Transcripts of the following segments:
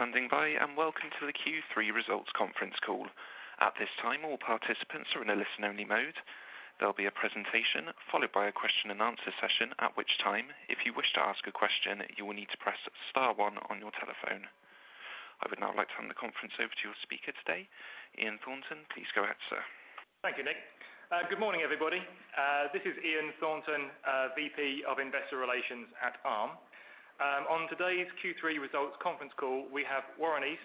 Thank you for standing by and welcome to the Q3 results conference call. At this time, all participants are in a listen-only mode. There will be a presentation followed by a question and answer session, at which time, if you wish to ask a question, you will need to press star one on your telephone. I would now like to hand the conference over to your speaker today, Ian Thornton. Please go ahead, sir. Thank you, Nick. Good morning, everybody. This is Ian Thornton, VP of Investor Relations at Arm Holdings. On today's Q3 Results Conference call, we have Warren East,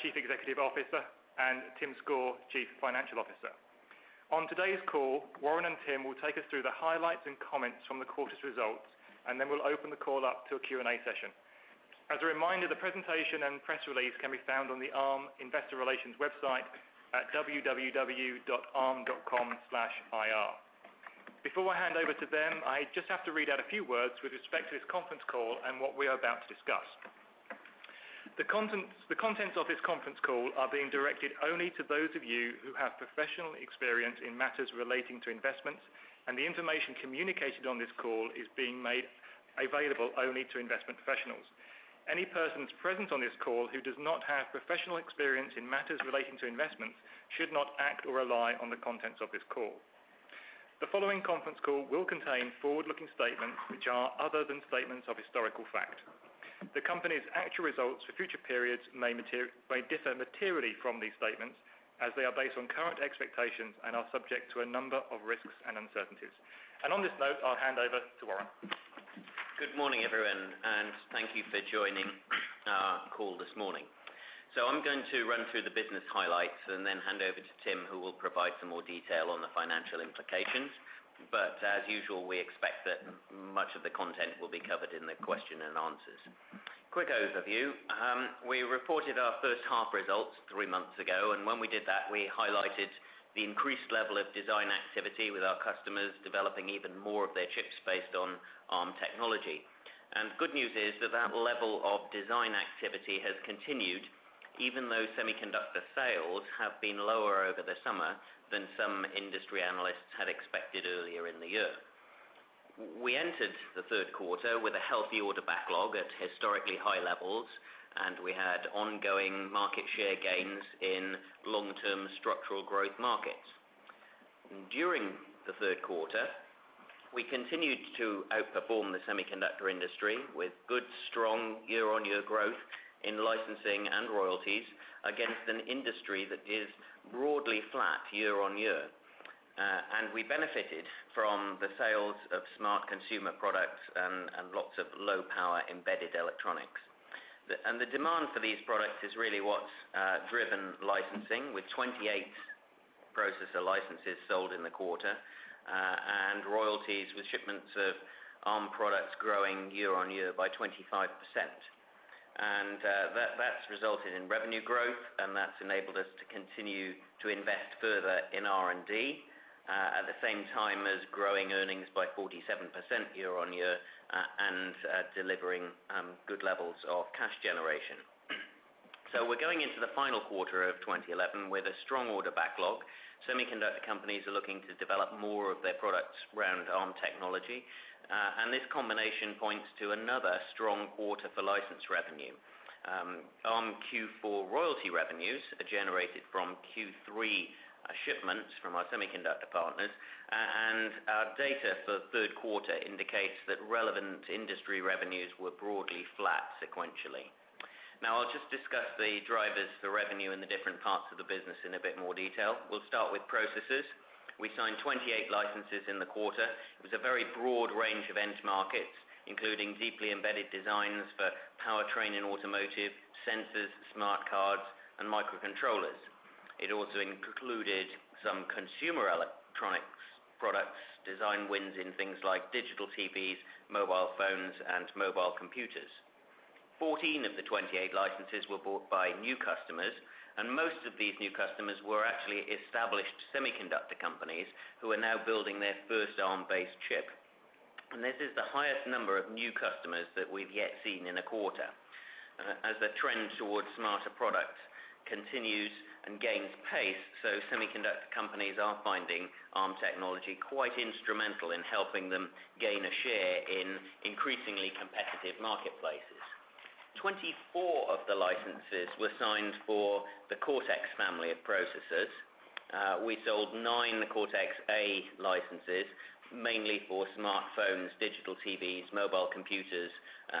Chief Executive Officer, and Tim Score, Chief Financial Officer. On today's call, Warren and Tim will take us through the highlights and comments from the quarter's results, and then we'll open the call up to a Q&A session. As a reminder, the presentation and press release can be found on the Arm Investor Relations website at www.arm.com/ir. Before I hand over to them, I just have to read out a few words with respect to this conference call and what we're about to discuss. The contents of this conference call are being directed only to those of you who have professional experience in matters relating to investments, and the information communicated on this call is being made available only to investment professionals. Any persons present on this call who do not have professional experience in matters relating to investments should not act or rely on the contents of this call. The following conference call will contain forward-looking statements, which are other than statements of historical fact. The company's actual results for future periods may differ materially from these statements, as they are based on current expectations and are subject to a number of risks and uncertainties. On this note, I'll hand over to Warren. Good morning, everyone, and thank you for joining our call this morning. I'm going to run through the business highlights and then hand over to Tim, who will provide some more detail on the financial implications. As usual, we expect that much of the content will be covered in the question and answers. Quick overview: we reported our first half results three months ago, and when we did that, we highlighted the increased level of design activity with our customers developing even more of their chips based on Arm technology. The good news is that that level of design activity has continued, even though semiconductor sales have been lower over the summer than some industry analysts had expected earlier in the year. We entered the third quarter with a healthy order backlog at historically high levels, and we had ongoing market share gains in long-term structural growth markets. During the third quarter, we continued to outperform the semiconductor industry with good, strong year-on-year growth in licensing and royalties against an industry that is broadly flat year-on-year. We benefited from the sales of smart consumer products and lots of low-power embedded electronics. The demand for these products is really what's driven licensing, with 28 processor licenses sold in the quarter and royalties with shipments of Arm products growing year-on-year by 25%. That has resulted in revenue growth, and that's enabled us to continue to invest further in R&D at the same time as growing earnings by 47% year-on-year and delivering good levels of cash generation. We're going into the final quarter of 2011 with a strong order backlog. Semiconductor companies are looking to develop more of their products around Arm technology, and this combination points to another strong quarter for license revenue. Arm Q4 royalty revenues are generated from Q3 shipments from our semiconductor partners, and our data for the third quarter indicates that relevant industry revenues were broadly flat sequentially. Now I'll just discuss the drivers for revenue in the different parts of the business in a bit more detail. We'll start with processors. We signed 28 licenses in the quarter. It was a very broad range of end markets, including deeply embedded designs for powertrain in automotive, sensors, smart cards, and microcontrollers. It also included some consumer electronics products designed wins in things like digital TVs, mobile phones, and mobile computers. 14 of the 28 licenses were bought by new customers, and most of these new customers were actually established semiconductor companies who are now building their first Arm-based chip. This is the highest number of new customers that we've yet seen in a quarter. As the trend towards smarter products continues and gains pace, semiconductor companies are finding Arm technology quite instrumental in helping them gain a share in increasingly competitive marketplaces. 24 of the licenses were signed for the Cortex family of processors. We sold nine Cortex A licenses, mainly for smartphones, digital TVs, mobile computers,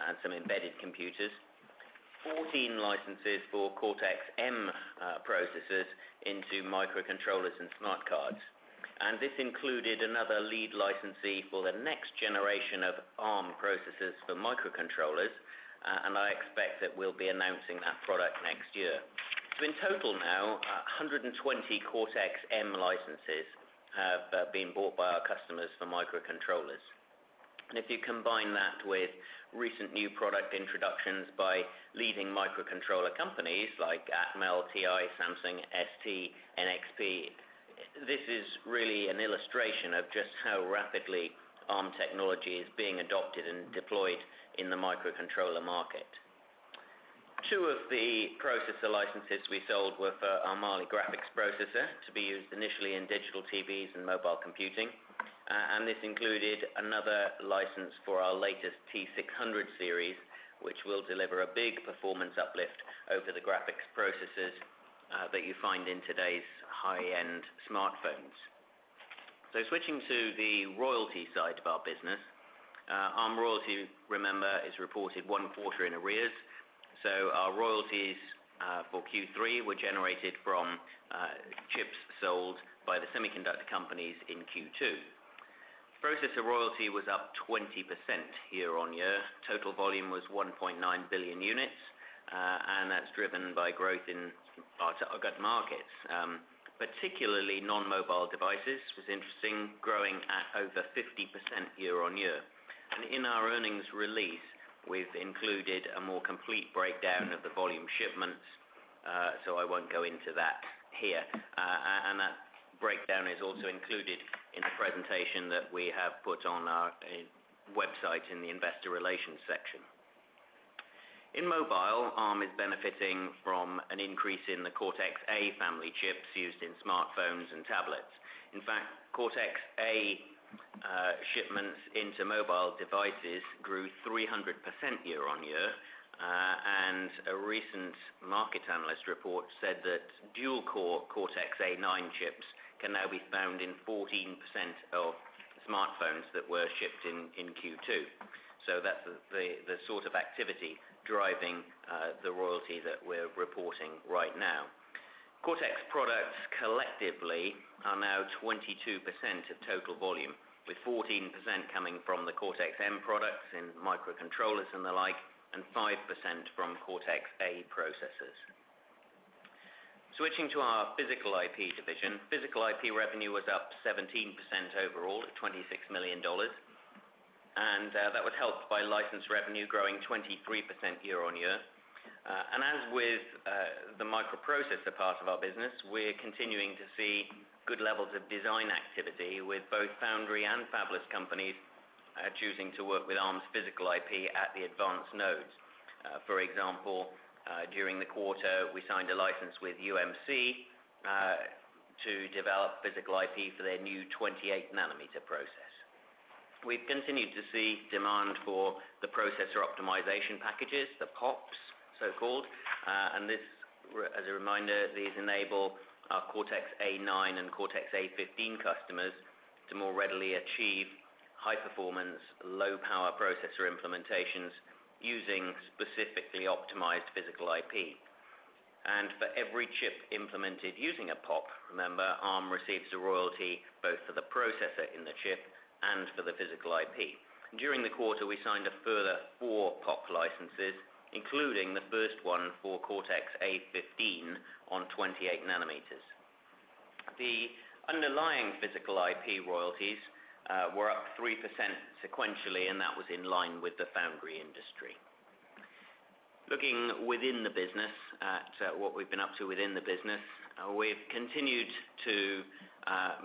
and some embedded computers. 14 licenses for Cortex M processors into microcontrollers and smart cards. This included another lead licensee for the next generation of Arm processors for microcontrollers, and I expect that we'll be announcing that product next year. In total now, 120 Cortex M licenses have been bought by our customers for microcontrollers. If you combine that with recent new product introductions by leading microcontroller companies like Atmel, TI, Samsung, ST, and NXP, this is really an illustration of just how rapidly Arm technology is being adopted and deployed in the microcontroller market. Two of the processor licenses we sold were for our Mali graphics processor to be used initially in digital TVs and mobile computing. This included another license for our latest T600 series, which will deliver a big performance uplift over the graphics processors that you find in today's high-end smartphones. Switching to the royalty side of our business, Arm royalty, remember, is reported one quarter in arrears. Our royalties for Q3 were generated from chips sold by the semiconductor companies in Q2. Processor royalty was up 20% year-on-year. Total volume was 1.9 billion units, and that's driven by growth in some large markets. Particularly non-mobile devices was interesting, growing at over 50% year-on-year. In our earnings release, we've included a more complete breakdown of the volume shipments, so I won't go into that here. That breakdown is also included in the presentation that we have put on our website in the Investor Relations section. In mobile, Arm is benefiting from an increase in the Cortex A family chips used in smartphones and tablets. In fact, Cortex A shipments into mobile devices grew 300% year-on-year, and a recent market analyst report said that dual-core Cortex A9 chips can now be found in 14% of smartphones that were shipped in Q2. That's the sort of activity driving the royalty that we're reporting right now. Cortex products collectively are now 22% of total volume, with 14% coming from the Cortex M products and microcontrollers and the like, and 5% from Cortex A processors. Switching to our physical IP division, physical IP revenue was up 17% overall at $26 million, and that was helped by license revenue growing 23% year-on-year. As with the microprocessor part of our business, we're continuing to see good levels of design activity with both foundry and fabless companies choosing to work with Arm's physical IP at the advanced nodes. For example, during the quarter, we signed a license with UMC to develop physical IP for their new 28 nm process. We've continued to see demand for the processor optimization packages, the PoPs, so-called. As a reminder, these enable our Cortex A9 and Cortex A15 customers to more readily achieve high-performance, low-power processor implementations using specifically optimized physical IP. For every chip implemented using a PoP, remember, Arm receives a royalty both for the processor in the chip and for the physical IP. During the quarter, we signed a further four PoP licenses, including the first one for Cortex A15 on 28 nm. The underlying physical IP royalties were up 3% sequentially, and that was in line with the foundry industry. Looking within the business at what we've been up to within the business, we've continued to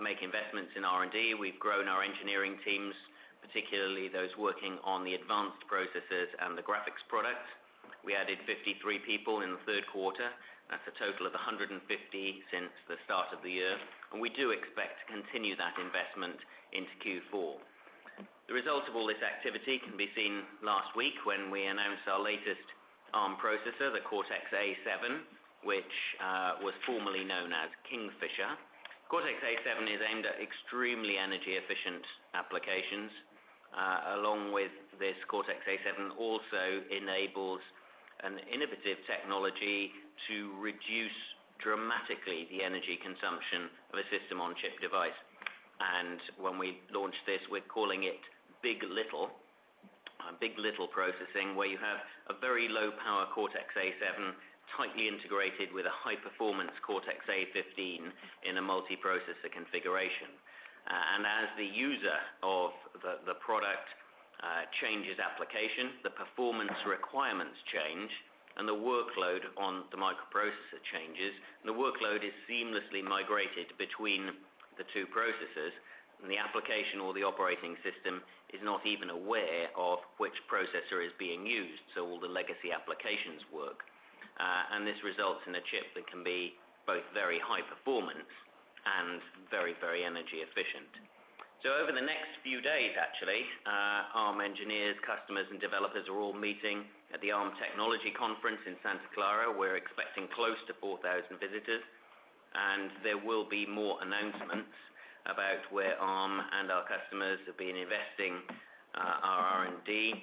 make investments in R&D. We've grown our engineering teams, particularly those working on the advanced processors and the graphics products. We added 53 people in the third quarter. That's a total of 150 since the start of the year, and we do expect to continue that investment into Q4. The result of all this activity can be seen last week when we announced our latest Arm processor, the Cortex A7, which was formerly known as Kingfisher. Cortex A7 is aimed at extremely energy-efficient applications. Along with this, Cortex A7 also enables an innovative technology to reduce dramatically the energy consumption of a system-on-chip device. When we launched this, we're calling it big. LITTLE. Big.LITTLE processing, where you have a very low-power Cortex A7 tightly integrated with a high-performance Cortex A15 in a multiprocessor configuration. As the user of the product changes application, the performance requirements change and the workload on the microprocessor changes, and the workload is seamlessly migrated between the two processors. The application or the operating system is not even aware of which processor is being used, so all the legacy applications work. This results in a chip that can be both very high-performance and very, very energy-efficient. Over the next few days, actually, Arm engineers, customers, and developers are all meeting at the Arm Technology Conference in Santa Clara. We're expecting close to 4,000 visitors, and there will be more announcements about where Arm and our customers have been investing our R&D.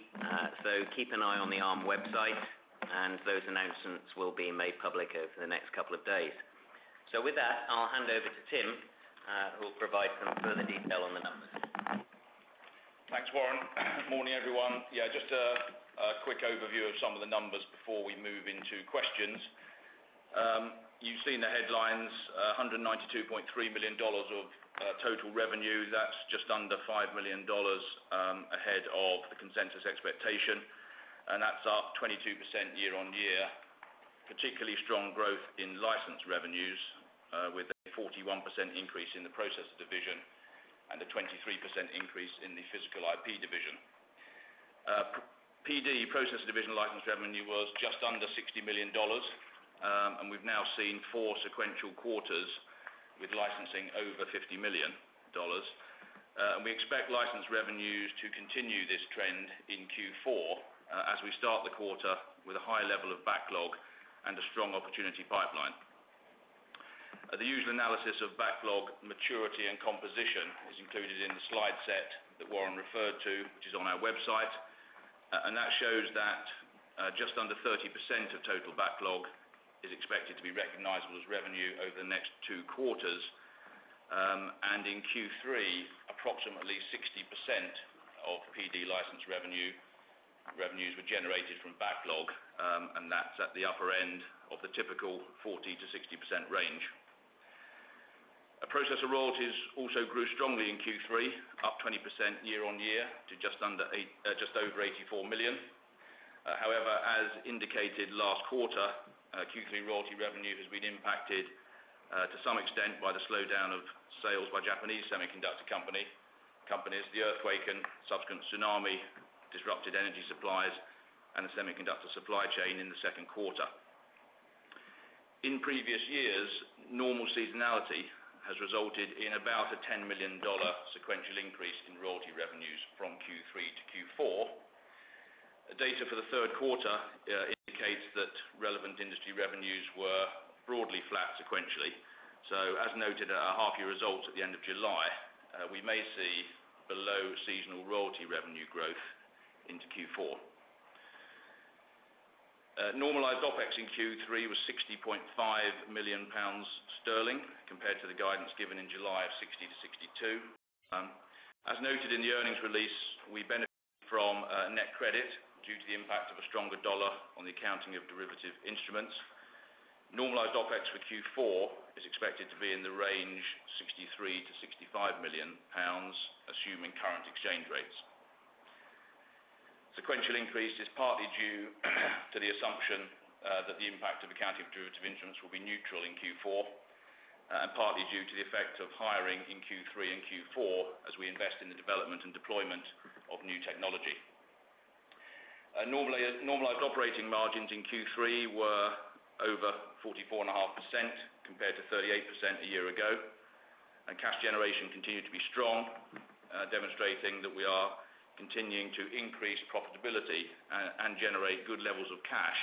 Keep an eye on the Arm website, and those announcements will be made public over the next couple of days. With that, I'll hand over to Tim, who will provide further detail on the numbers. Thanks, Warren. Morning, everyone. Yeah, just a quick overview of some of the numbers before we move into questions. You've seen the headlines: $192.3 million of total revenue. That's just under $5 million ahead of the consensus expectation, and that's up 22% year-on-year. Particularly strong growth in license revenues with a 41% increase in the processor division and a 23% increase in the physical IP division. PD, processor division license revenue, was just under $60 million, and we've now seen four sequential quarters with licensing over $50 million. We expect license revenues to continue this trend in Q4 as we start the quarter with a high level of backlog and a strong opportunity pipeline. The usual analysis of backlog maturity and composition is included in the slide set that Warren referred to, which is on our website. That shows that just under 30% of total backlog is expected to be recognizable as revenue over the next two quarters. In Q3, approximately 60% of PD license revenues were generated from backlog, and that's at the upper end of the typical 40%-60% range. Processor royalties also grew strongly in Q3, up 20% year-on-year to just over $84 million. However, as indicated last quarter, Q3 royalty revenue has been impacted to some extent by the slowdown of sales by Japanese semiconductor companies, the earthquake and subsequent tsunami disrupted energy supplies and the semiconductor supply chain in the second quarter. In previous years, normal seasonality has resulted in about a $10 million sequential increase in royalty revenues from Q3 to Q4. Data for the third quarter indicates that relevant industry revenues were broadly flat sequentially. As noted at our half-year results at the end of July, we may see below-seasonal royalty revenue growth into Q4. Normalized OpEx in Q3 was 60.5 million sterling compared to the guidance given in July of 60-62. As noted in the earnings release, we benefit from net credit due to the impact of a stronger dollar on the accounting of derivative instruments. Normalized OpEx for Q4 is expected to be in the range of 63 million- 65 million pounds, assuming current exchange rates. Sequential increase is partly due to the assumption that the impact of accounting of derivative instruments will be neutral in Q4 and partly due to the effect of hiring in Q3 and Q4 as we invest in the development and deployment of new technology. Normalized operating margins in Q3 were over 44.5% compared to 38% a year ago, and cash generation continued to be strong, demonstrating that we are continuing to increase profitability and generate good levels of cash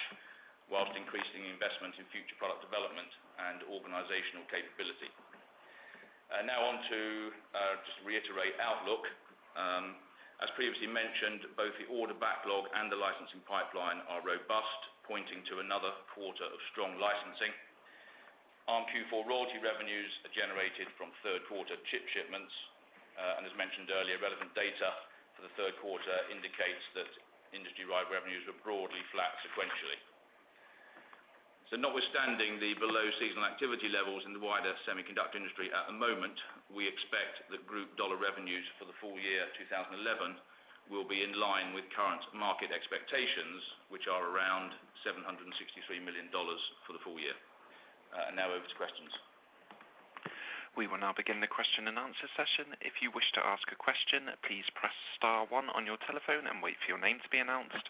whilst increasing investment in future product development and organizational capability. Now to just reiterate outlook. As previously mentioned, both the order backlog and the licensing pipeline are robust, pointing to another quarter of strong licensing. Arm Q4 royalty revenues are generated from third-quarter chip shipments, and as mentioned earlier, relevant data for the third quarter indicates that industry-wide revenues were broadly flat sequentially. Notwithstanding the below-seasonal activity levels in the wider semiconductor industry at the moment, we expect that group dollar revenues for the full year 2011 will be in line with current market expectations, which are around $763 million for the full year. Now over to questions. We will now begin the question and answer session. If you wish to ask a question, please press star one on your telephone and wait for your name to be announced.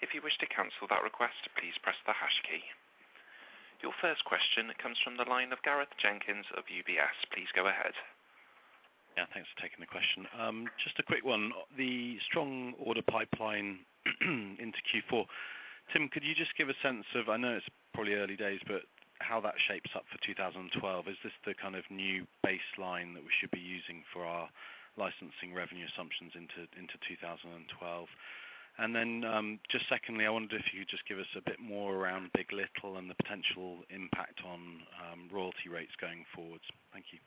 If you wish to cancel that request, please press the hash key. Your first question comes from the line of Gareth Jenkins of UBS. Please go ahead. Yeah, thanks for taking the question. Just a quick one. The strong order pipeline into Q4. Tim, could you just give a sense of, I know it's probably early days, but how that shapes up for 2012? Is this the kind of new baseline that we should be using for our licensing revenue assumptions into 2012? Just secondly, I wondered if you could just give us a bit more around big. LITTLE and the potential impact on royalty rates going forwards. Thank you.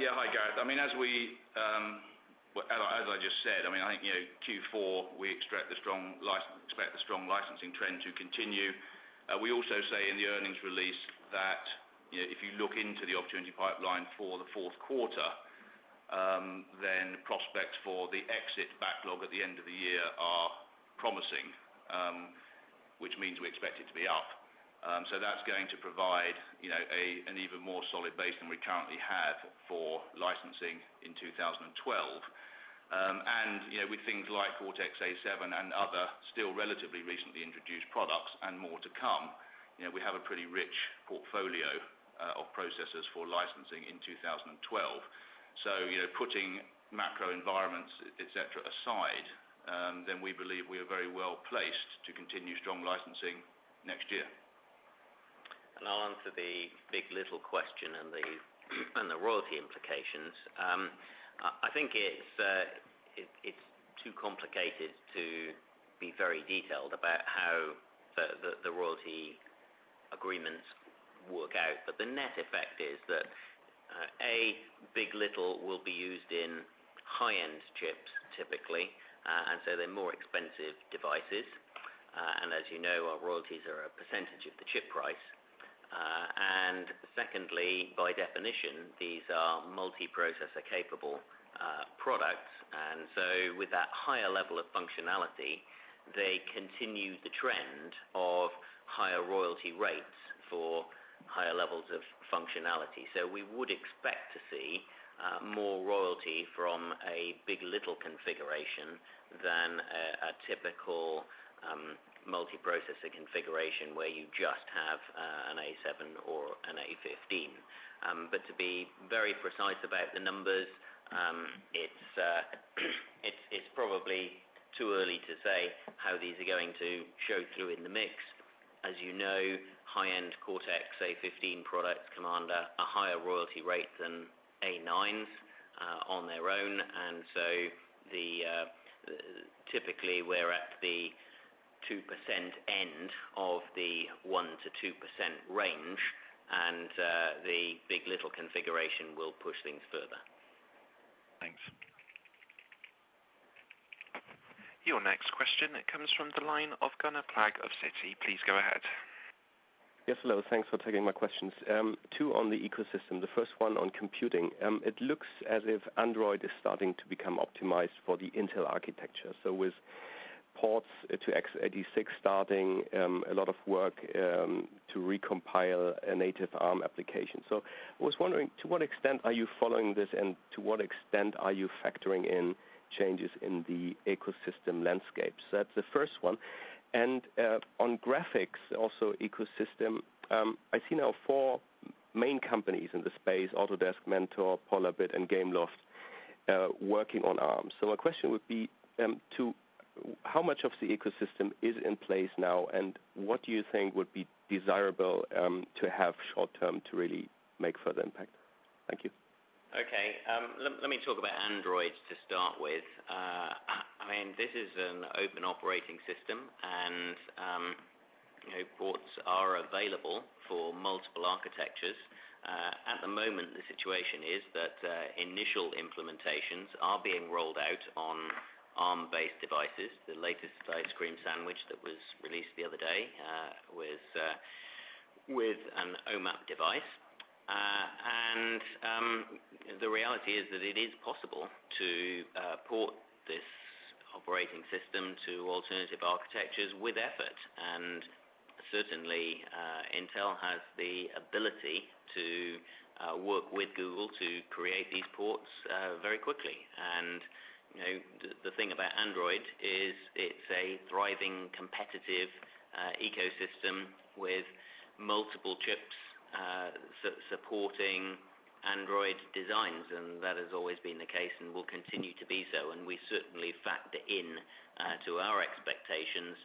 Yeah, hi, Gareth. As I just said, I think Q4 we expect the strong licensing trend to continue. We also say in the earnings release that if you look into the opportunity pipeline for the fourth quarter, the prospects for the exit backlog at the end of the year are promising, which means we expect it to be up. That's going to provide an even more solid base than we currently have for licensing in 2012. With things like Cortex A7 and other still relatively recently introduced products and more to come, we have a pretty rich portfolio of processors for licensing in 2012. Putting macro environments, etc., aside, we believe we are very well placed to continue strong licensing next year. I'll answer the big. LITTLE question and the royalty implications. I think it's too complicated to be very detailed about how the royalty agreements work out. The net effect is that, A, big. LITTLE will be used in high-end chips typically, and they're more expensive devices. As you know, our royalties are a percentage of the chip price. Secondly, by definition, these are multiprocessor-capable products. With that higher level of functionality, they continue the trend of higher royalty rates for higher levels of functionality. We would expect to see more royalty from a big. LITTLE configuration than a typical multiprocessor configuration where you just have a Cortex A7 or a Cortex A15. To be very precise about the numbers, it's probably too early to say how these are going to show through in the mix. As you know, high-end Cortex A15 products command a higher royalty rate than Cortex A9s on their own. Typically, we're at the 2% end of the 1%-2% range, and the big. LITTLE configuration will push things further. Thanks. Your next question comes from the line of Gunnar Plagg of Citi. Please go ahead. Yes, hello. Thanks for taking my questions. Two on the ecosystem. The first one on computing. It looks as if Android is starting to become optimized for the Intel architecture. With ports to x86 starting, a lot of work to recompile a native Arm application. I was wondering, to what extent are you following this and to what extent are you factoring in changes in the ecosystem landscape? That's the first one. On graphics, also ecosystem, I see now four main companies in the space: Autodesk, Mentor, Polar Bit, and Gameloft working on Arm. My question would be to how much of the ecosystem is in place now and what do you think would be desirable to have short term to really make further impact? Thank you. Okay. Let me talk about Android to start with. I mean, this is an open operating system, and ports are available for multiple architectures. At the moment, the situation is that initial implementations are being rolled out on Arm-based devices. The latest LightScreen sandwich that was released the other day was with an OMAP device. The reality is that it is possible to port this operating system to alternative architectures with effort. Certainly, Intel has the ability to work with Google to create these ports very quickly. The thing about Android is it's a thriving competitive ecosystem with multiple chips supporting Android designs, and that has always been the case and will continue to be so. We certainly factor into our expectations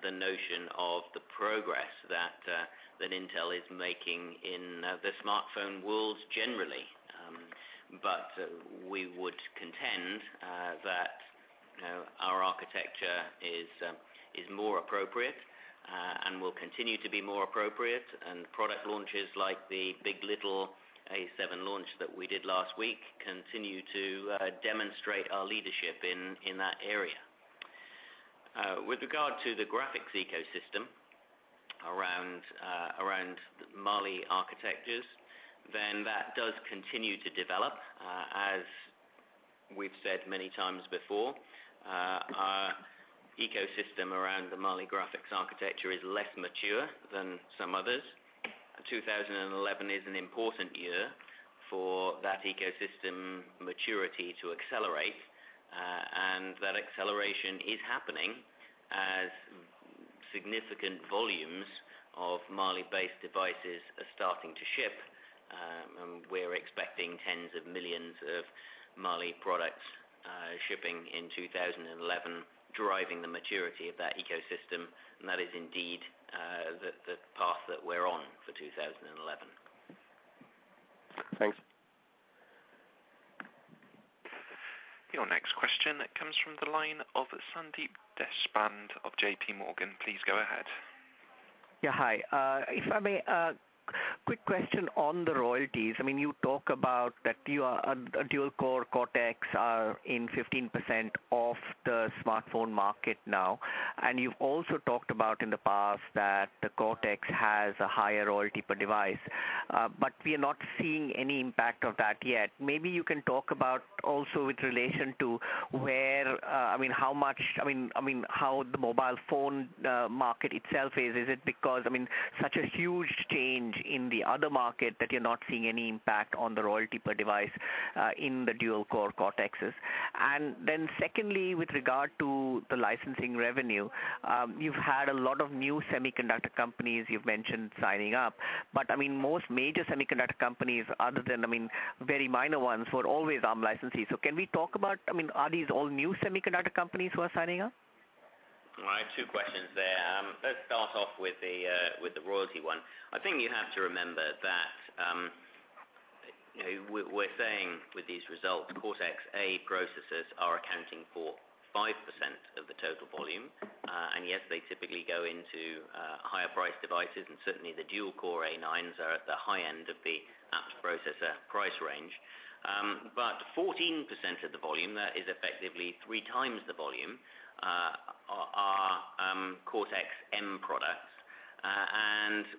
the notion of the progress that Intel is making in the smartphone worlds generally. We would contend that our architecture is more appropriate and will continue to be more appropriate. Product launches like the big. LITTLE Cortex A7 launch that we did last week continue to demonstrate our leadership in that area. With regard to the graphics ecosystem around Mali architectures, that does continue to develop. As we've said many times before, our ecosystem around the Mali graphics architecture is less mature than some others. 2011 is an important year for that ecosystem maturity to accelerate, and that acceleration is happening as significant volumes of Mali-based devices are starting to ship. We're expecting tens of millions of Mali products shipping in 2011, driving the maturity of that ecosystem. That is indeed the path that we're on for 2011. Thanks. Your next question comes from the line of Sandeep Deshpande of JPMorgan. Please go ahead. Yeah, hi. If I may, a quick question on the royalties. I mean, you talk about that your dual-core Cortex are in 15% of the smartphone market now. You've also talked about in the past that the Cortex has a higher royalty per device, but we are not seeing any impact of that yet. Maybe you can talk about also with relation to where, I mean, how much, I mean, how the mobile phone market itself is. Is it because such a huge change in the other market that you're not seeing any impact on the royalty per device in the dual-core Cortexes? Secondly, with regard to the licensing revenue, you've had a lot of new semiconductor companies you've mentioned signing up. I mean, most major semiconductor companies, other than very minor ones, were always Arm licensees. Can we talk about, I mean, are these all new semiconductor companies who are signing up? All right, two questions there. Let's start off with the royalty one. I think you have to remember that we're saying with these results, Cortex A processors are accounting for 5% of the total volume. Yes, they typically go into higher-priced devices, and certainly the dual-core A9s are at the high end of the processor price range. 14% of the volume, that is effectively three times the volume, are Cortex M products.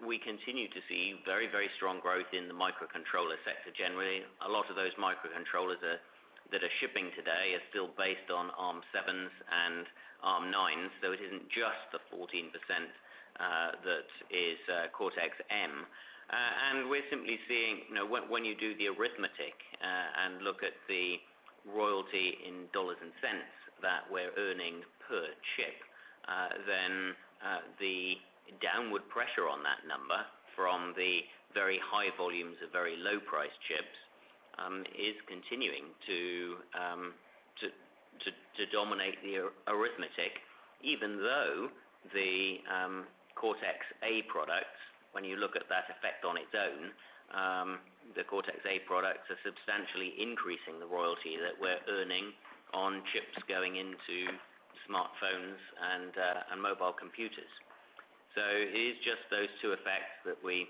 We continue to see very, very strong growth in the microcontroller sector generally. A lot of those microcontrollers that are shipping today are still based on ARM7s and ARM9s, though it isn't just the 14% that is Cortex M. We're simply seeing, when you do the arithmetic and look at the royalty in dollars and cents that we're earning per chip, the downward pressure on that number from the very high volumes of very low-priced chips is continuing to dominate the arithmetic, even though the Cortex A products, when you look at that effect on its own, the Cortex A products are substantially increasing the royalty that we're earning on chips going into smartphones and mobile computers. It is just those two effects that we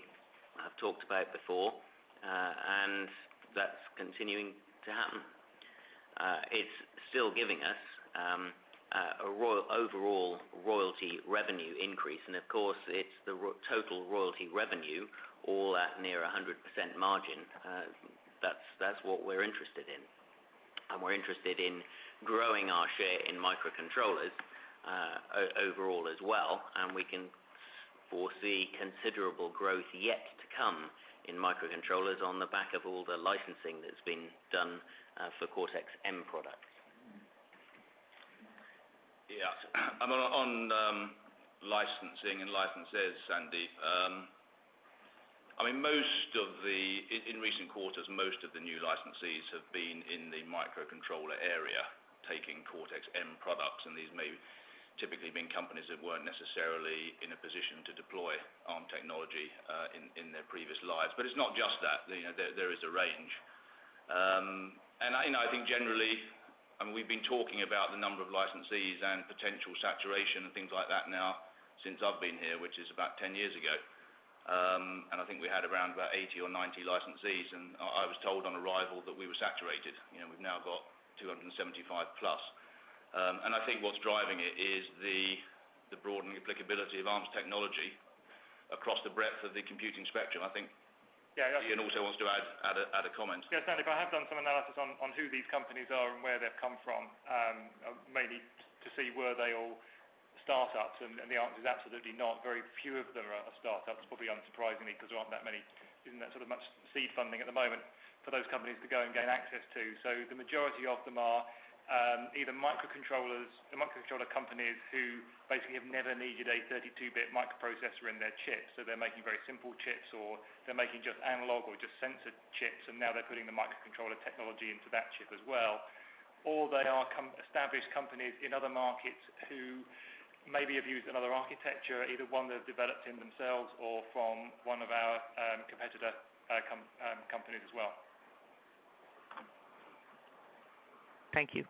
have talked about before, and that's continuing to happen. It's still giving us an overall royalty revenue increase. Of course, it's the total royalty revenue, all at near 100% margin. That's what we're interested in. We're interested in growing our share in microcontrollers overall as well. We can foresee considerable growth yet to come in microcontrollers on the back of all the licensing that's been done for Cortex M products. Yeah, on licensing and licenses, Sandeep. I mean, in recent quarters, most of the new licensees have been in the microcontroller area, taking Cortex M products. These may typically have been companies that weren't necessarily in a position to deploy Arm technology in their previous lives. It is not just that. There is a range. I think generally, we've been talking about the number of licensees and potential saturation and things like that now since I've been here, which is about 10 years ago. I think we had around 80 or 90 licensees, and I was told on arrival that we were saturated. We've now got 275+. I think what's driving it is the broadened applicability of Arm's technology across the breadth of the computing spectrum. I think Ian also wants to add a comment. Yeah, Sandeep, I have done some analysis on who these companies are and where they've come from, mainly to see were they all startups. The answer is absolutely not. Very few of them are startups, probably unsurprisingly, because there aren't that many, isn't that sort of much seed funding at the moment for those companies to go and gain access to. The majority of them are either microcontroller companies who basically have never needed a 32-bit microprocessor in their chip. They're making very simple chips or they're making just analog or just sensor chips, and now they're putting the microcontroller technology into that chip as well. They are established companies in other markets who maybe have used another architecture, either one they've developed themselves or from one of our competitor companies as well. Thank you.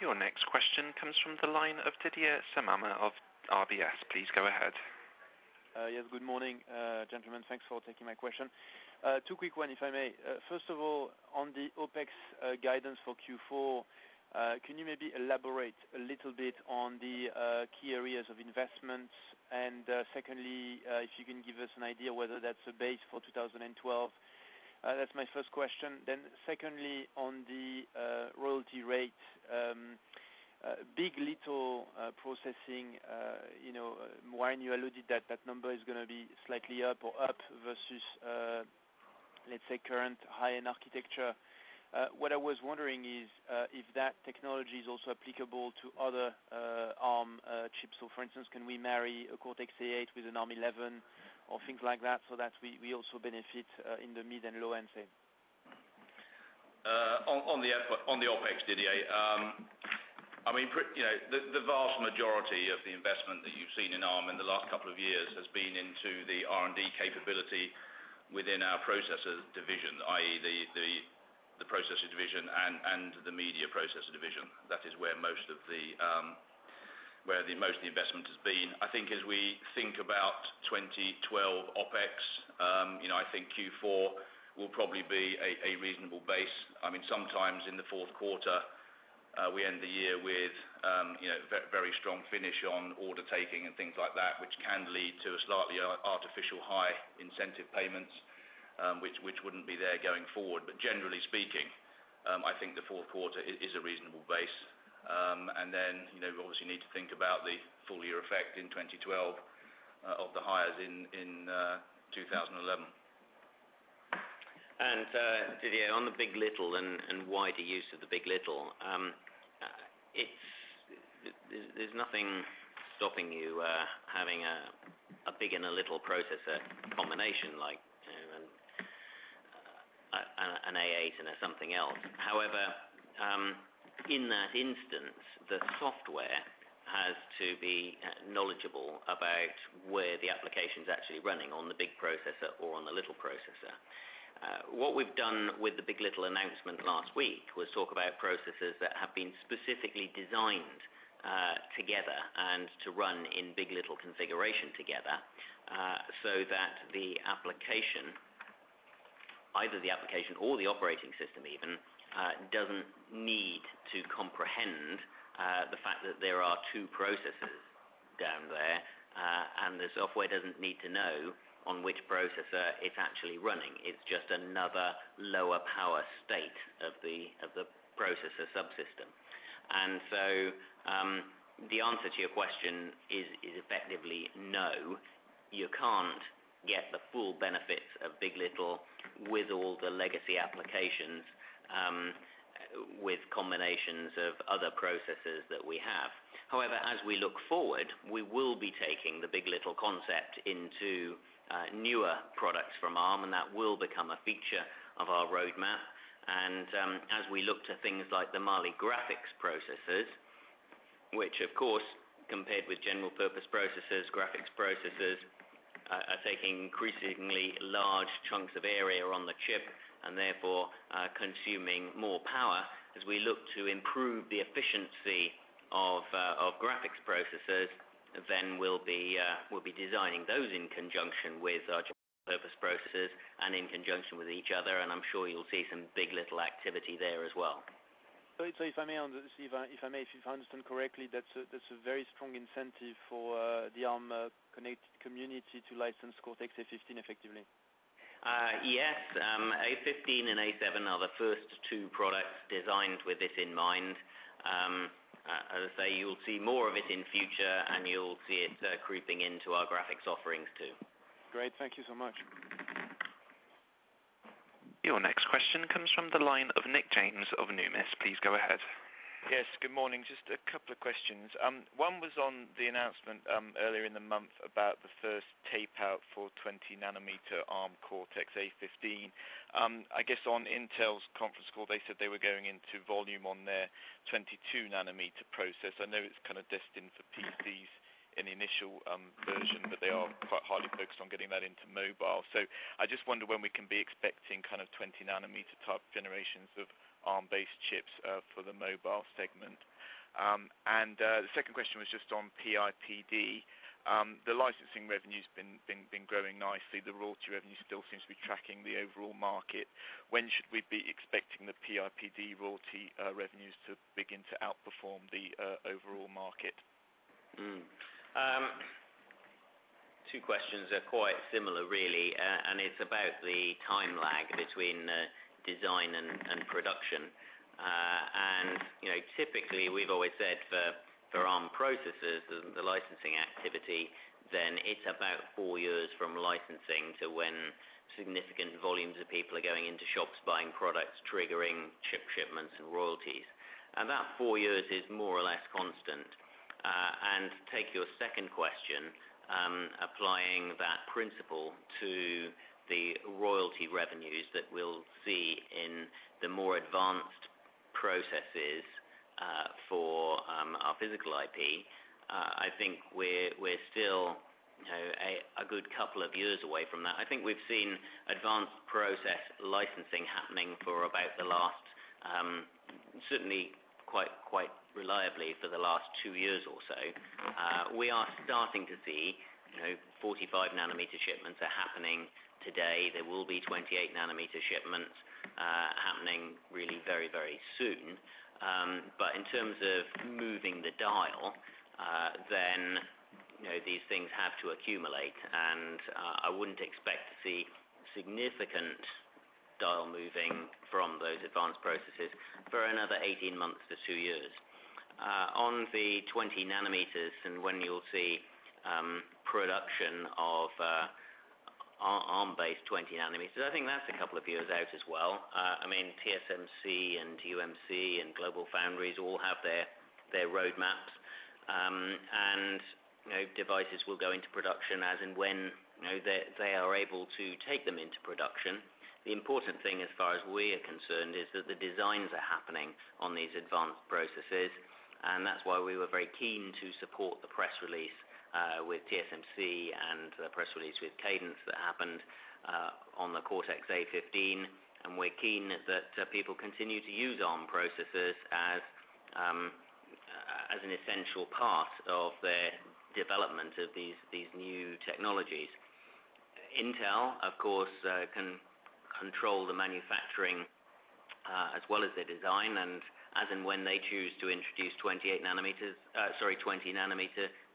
Your next question comes from the line of Didier Scemama of RBS. Please go ahead. Yes, good morning, gentlemen. Thanks for taking my question. Two quick ones, if I may. First of all, on the OpEx guidance for Q4, can you maybe elaborate a little bit on the key areas of investments? Secondly, if you can give us an idea whether that's a base for 2012. That's my first question. Secondly, on the royalty rate, big. LITTLE processing, you know, Warren, you alluded that that number is going to be slightly up or up versus, let's say, current high-end architecture. What I was wondering is if that technology is also applicable to other Arm chips. For instance, can we marry a Cortex A8 with an ARM11 or things like that so that we also benefit in the mid and low-end thing? On the OpEx, Didier, I mean, you know, the vast majority of the investment that you've seen in Arm Holdings in the last couple of years has been into the R&D capability within our processor division, i.e., the processor division and the media processor division. That is where most of the investment has been. I think as we think about 2012 OpEx, I think Q4 will probably be a reasonable base. Sometimes in the fourth quarter, we end the year with a very strong finish on order taking and things like that, which can lead to a slightly artificial high incentive payments, which wouldn't be there going forward. Generally speaking, I think the fourth quarter is a reasonable base. We obviously need to think about the full-year effect in 2012 of the highs in 2011. Didier, on the big. LITTLE and wider use of the big. LITTLE, there's nothing stopping you having a big and a little processor combination like a Cortex A8 and something else. However, in that instance, the software has to be knowledgeable about where the application is actually running, on the big processor or on the little processor. What we've done with the big. LITTLE announcement last week was talk about processors that have been specifically designed together to run in big. LITTLE configuration together so that the application, either the application or the operating system even, doesn't need to comprehend the fact that there are two processors down there, and the software doesn't need to know on which processor it's actually running. It's just another lower power state of the processor subsystem. The answer to your question is effectively no, you can't get the full benefits of big. LITTLE with all the legacy applications with combinations of other processors that we have. However, as we look forward, we will be taking the big. LITTLE concept into newer products from Arm Holdings, and that will become a feature of our roadmap. As we look to things like the Mali graphics processors, which, of course, compared with general purpose processors, graphics processors are taking increasingly large chunks of area on the chip and therefore consuming more power. As we look to improve the efficiency of graphics processors, then we'll be designing those in conjunction with such purpose processors and in conjunction with each other. I'm sure you'll see some big. LITTLE activity there as well. If I may, if I understand correctly, that's a very strong incentive for the Arm-connected community to license Cortex A15 effectively. Yes, Cortex-A15 and Cortex-A7 are the first two products designed with this in mind. As I say, you'll see more of it in the future, and you'll see it creeping into our Mali graphics offerings too. Great. Thank you so much. Your next question comes from the line of Nick James of Numis. Please go ahead. Yes, good morning. Just a couple of questions. One was on the announcement earlier in the month about the first tape out for 20 nm Arm Cortex-A15. I guess on Intel's conference call, they said they were going into volume on their 22 nm process. I know it's kind of destined for PCs in the initial version, but they are quite hardly focused on getting that into mobile. I just wonder when we can be expecting kind of 20 nm type generations of Arm-based chips for the mobile segment. The second question was just on PIPD. The licensing revenue has been growing nicely. The royalty revenue still seems to be tracking the overall market. When should we be expecting the PIPD royalty revenues to begin to outperform the overall market? Two questions are quite similar, really, and it's about the time lag between design and production. Typically, we've always said for Arm processors and the licensing activity, then it's about four years from licensing to when significant volumes of people are going into shops buying products, triggering chip shipments and royalties. That four years is more or less constant. To take your second question, applying that principle to the royalty revenues that we'll see in the more advanced processes for our physical IP, I think we're still a good couple of years away from that. I think we've seen advanced process licensing happening for about the last, certainly quite reliably for the last two years or so. We are starting to see 45 nm shipments happening today. There will be 28 nm shipments happening really very, very soon. In terms of moving the dial, these things have to accumulate. I wouldn't expect to see significant dial moving from those advanced processes for another 18 months to two years. On the 20 nm and when you'll see production of Arm-based 20 nm, I think that's a couple of years out as well. TSMC, UMC, and GlobalFoundries all have their roadmaps. Devices will go into production as and when they are able to take them into production. The important thing, as far as we are concerned, is that the designs are happening on these advanced processes. That's why we were very keen to support the press release with TSMC and the press release with Cadence that happened on the Cortex-A15. We're keen that people continue to use Arm processors as an essential part of their development of these new technologies. Intel, of course, can control the manufacturing as well as their design. As and when they choose to introduce 20 nm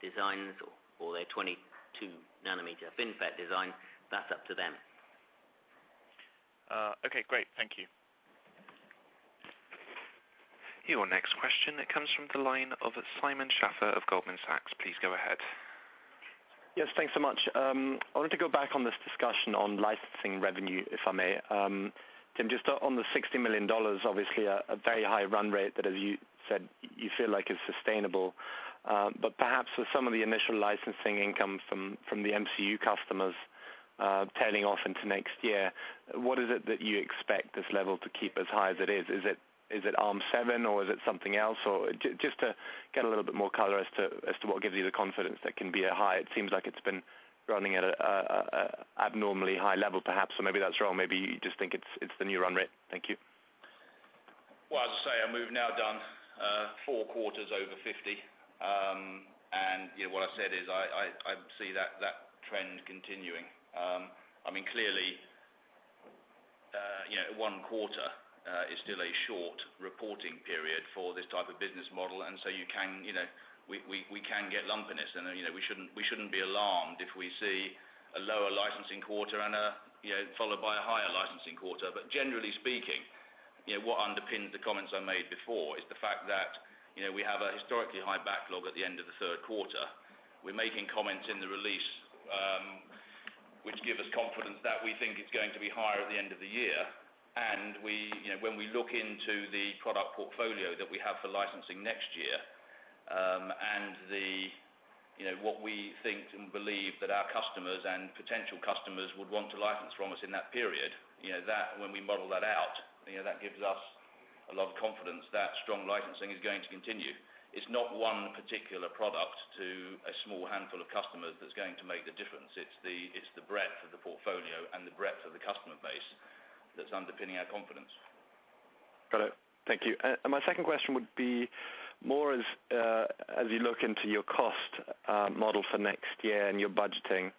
designs or their 22-nm FinFET design, that's up to them. Okay, great. Thank you. Your next question comes from the line of Simon Sagars of Goldman Sachs. Please go ahead. Yes, thanks so much. I wanted to go back on this discussion on licensing revenue, if I may. Tim, just on the $60 million, obviously a very high run rate that, as you said, you feel like is sustainable. Perhaps with some of the initial licensing income from the MCU customers tailing off into next year, what is it that you expect this level to keep as high as it is? Is it ARM7 or is it something else? Just to get a little bit more color as to what gives you the confidence that it can be high. It seems like it's been running at an abnormally high level, perhaps. Maybe that's wrong. Maybe you just think it's the new run rate. Thank you. I have now done four quarters over 50. What I said is I see that trend continuing. Clearly, one quarter is still a short reporting period for this type of business model, and we can get lumpiness. We shouldn't be alarmed if we see a lower licensing quarter followed by a higher licensing quarter. Generally speaking, what underpins the comments I made before is the fact that we have a historically high backlog at the end of the third quarter. We are making comments in the release, which give us confidence that we think it's going to be higher at the end of the year. When we look into the product portfolio that we have for licensing next year and what we think and believe that our customers and potential customers would want to license from us in that period, when we model that out, that gives us a lot of confidence that strong licensing is going to continue. It's not one particular product to a small handful of customers that's going to make the difference. It's the breadth of the portfolio and the breadth of the customer base that's underpinning our confidence. Got it. Thank you. My second question would be more as you look into your cost model for next year and your budgeting,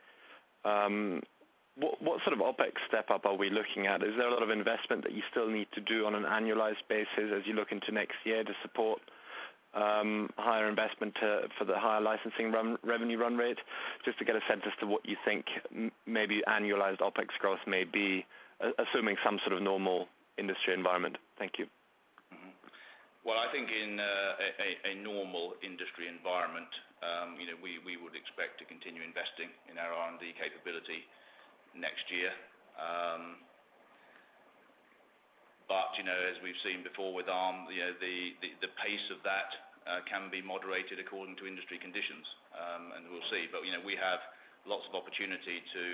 what sort of OpEx step-up are we looking at? Is there a lot of investment that you still need to do on an annualized basis as you look into next year to support higher investment for the higher licensing revenue run rate? Just to get a sense as to what you think maybe annualized OpEx growth may be, assuming some sort of normal industry environment. Thank you. I think in a normal industry environment, we would expect to continue investing in our R&D capability next year. As we've seen before with Arm, the pace of that can be moderated according to industry conditions, and we'll see. We have lots of opportunity to,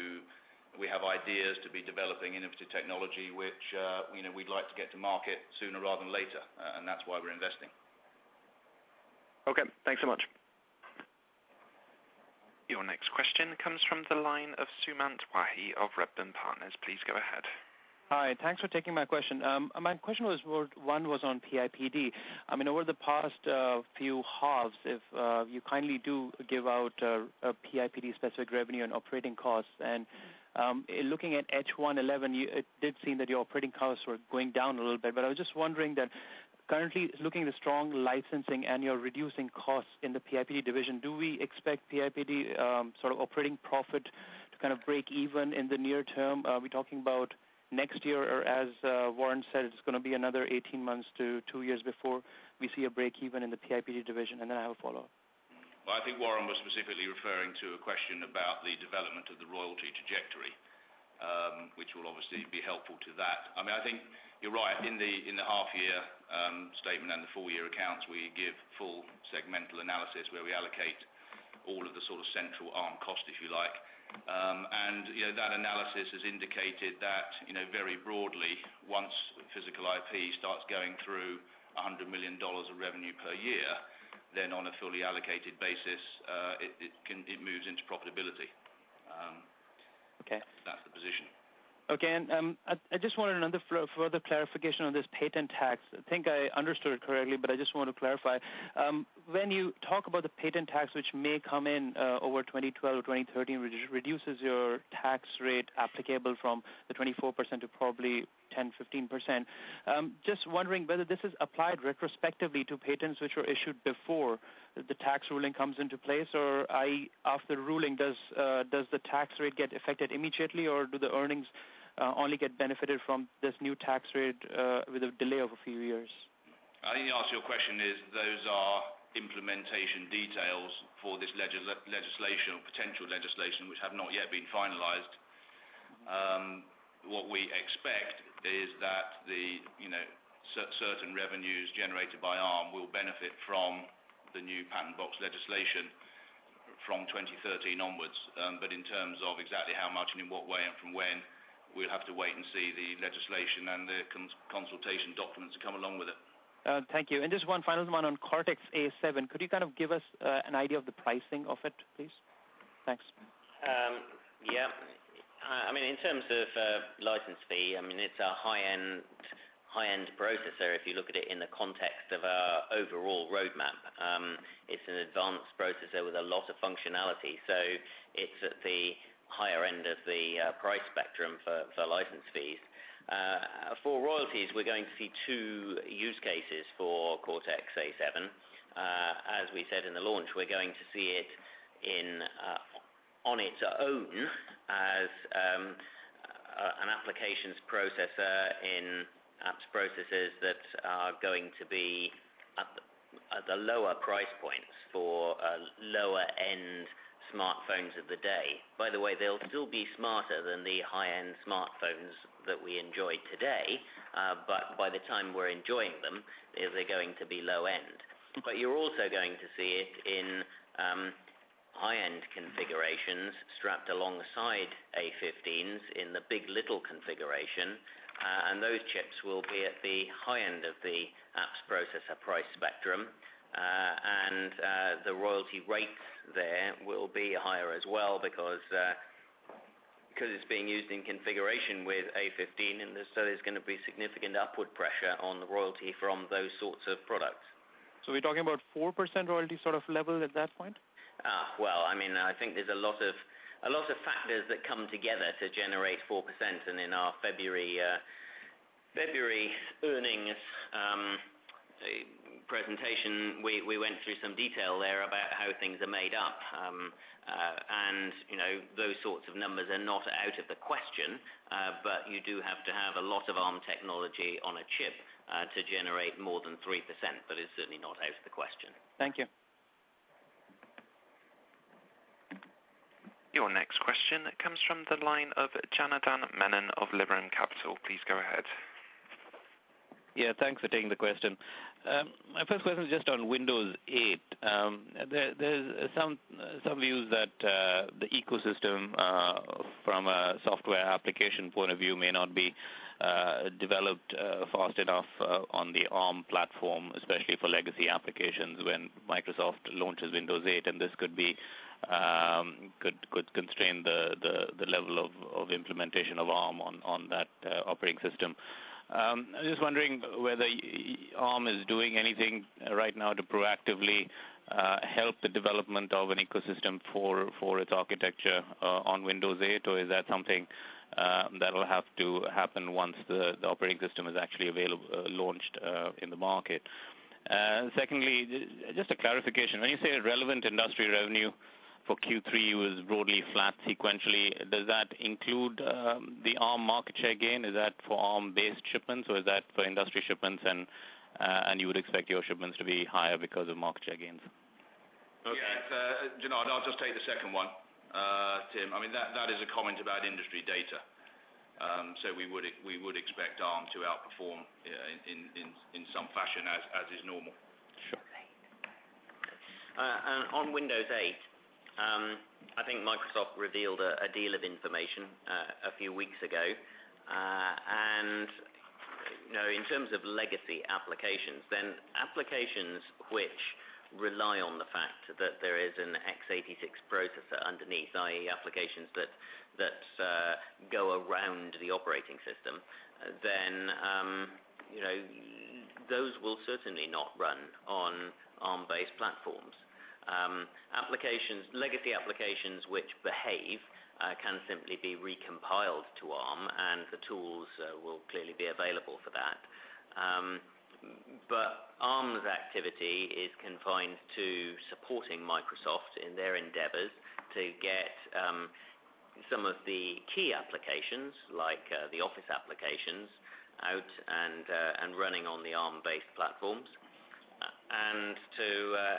we have ideas to be developing innovative technology, which we'd like to get to market sooner rather than later. That's why we're investing. Okay, thanks so much. Your next question comes from the line of Sumant Wahi of Redburn Atlantic. Please go ahead. Hi, thanks for taking my question. My question was, one was on the PIPD. I mean, over the past few halves, if you kindly do give out physical IP division-specific revenue and operating costs, and looking at H1 2011, it did seem that your operating costs were going down a little bit. I was just wondering that currently, looking at the strong licensing and your reducing costs in the PIPD division we expect PIPD division sort of operating profit to kind of break even in the near term? Are we talking about next year or, as Warren said, it's going to be another 18 months to two years before we see a break even in the physical IP division? I have a follow-up. I think Warren was specifically referring to a question about the development of the royalty trajectory, which will obviously be helpful to that. I mean, I think you're right. In the half-year statement and the full-year accounts, we give full segmental analysis where we allocate all of the sort of central Arm cost, if you like. That analysis has indicated that very broadly, once physical IP starts going through $100 million of revenue per year, then on a fully allocated basis, it moves into profitability. That's the position. Okay. I just wanted another further clarification on this patent tax. I think I understood it correctly, but I just want to clarify. When you talk about the patent tax, which may come in over 2012 or 2013, which reduces your tax rate applicable from the 24% to probably 10% or 15%, just wondering whether this is applied retrospectively to patents which were issued before the tax ruling comes into place, or after the ruling, does the tax rate get affected immediately, or do the earnings only get benefited from this new tax rate with a delay of a few years? I think the answer to your question is those are implementation details for this legislation or potential legislation which have not yet been finalized. What we expect is that certain revenues generated by Arm will benefit from the new patent box legislation from 2013 onwards. In terms of exactly how much, in what way, and from when, we'll have to wait and see the legislation and the consultation documents that come along with it. Thank you. Just one final one on Cortex A7. Could you kind of give us an idea of the pricing of it, please? Thanks. Yeah. I mean, in terms of license fee, I mean, it's a high-end processor. If you look at it in the context of our overall roadmap, it's an advanced processor with a lot of functionality. It's at the higher end of the price spectrum for license fees. For royalties, we're going to see two use cases for Cortex A7. As we said in the launch, we're going to see it on its own as an applications processor in apps processors that are going to be at the lower price points for lower-end smartphones of the day. By the way, they'll be smarter than the high-end smartphones that we enjoy today. By the time we're enjoying them, they're going to be low-end. You're also going to see it in high-end configurations strapped alongside A15s in the Big.LITTLE configuration. Those chips will be at the high end of the apps processor price spectrum. The royalty rates there will be higher as well because it's being used in configuration with A15. There's going to be significant upward pressure on the royalty from those sorts of products. We're talking about 4% royalty sort of level at that point? I think there's a lot of factors that come together to generate 4%. In our February earnings presentation, we went through some detail there about how things are made up. Those sorts of numbers are not out of the question, but you do have to have a lot of Arm technology on a chip to generate more than 3%. It's certainly not out of the question. Thank you. Your next question comes from the line of Jonardan Menon of Liberum Capital. Please go ahead. Yeah, thanks for taking the question. My first question is just on Windows 8. There's some views that the ecosystem from a software application point of view may not be developed fast enough on the Arm platform, especially for legacy applications when Microsoft launches Windows 8. This could constrain the level of implementation of Arm on that operating system. I'm just wondering whether Arm is doing anything right now to proactively help the development of an ecosystem for its architecture on Windows 8, or is that something that'll have to happen once the operating system is actually launched in the market? Secondly, just a clarification. When you say relevant industry revenue for Q3 was broadly flat sequentially, does that include the Arm market share gain? Is that for Arm-based shipments or is that for industry shipments and you would expect your shipments to be higher because of market share gains? Okay, I'll just take the second one, Tim. That is a comment about industry data. We would expect Arm to outperform in some fashion as is normal. Sure. On Windows 8, I think Microsoft revealed a deal of information a few weeks ago. In terms of legacy applications, applications which rely on the fact that there is an x86 processor underneath, i.e., applications that go around the operating system, those will certainly not run on Arm-based platforms. Legacy applications which behave can simply be recompiled to Arm, and the tools will clearly be available for that. Arm's activity is confined to supporting Microsoft in their endeavors to get some of the key applications like the Office applications out and running on the Arm-based platforms and to